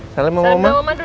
salam sama mama dulu